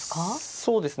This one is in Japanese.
そうですね。